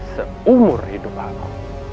seumur hidup aku